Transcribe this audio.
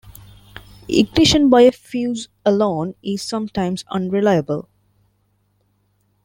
Ignition by a fuse alone is sometimes unreliable.